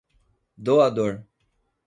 doador